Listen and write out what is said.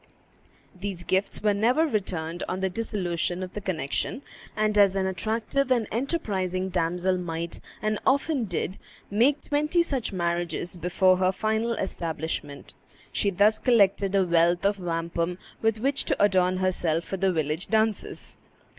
These gifts were never returned on the dissolution of the connection; and as an attractive and enterprising damsel might, and often did, make twenty such marriages before her final establishment, she thus collected a wealth of wampum with which to adorn herself for the village dances.